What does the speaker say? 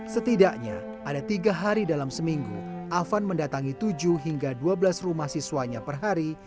setidaknya ada tiga hari dalam seminggu afan mendatangi tujuh hingga dua belas rumah siswanya per hari